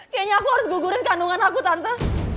kayaknya aku harus gugurin kandungan aku tante